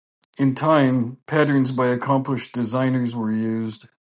In time, patterns by accomplished designers were used.